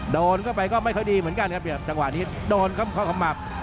โดนเข้าไปก็ไม่ค่อยดีเหมือนกันครับจังหวะนี้โดนเข้าขมับ